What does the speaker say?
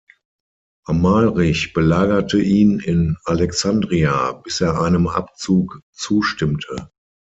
Amalrich belagerte ihn in Alexandria, bis er einem Abzug zustimmte.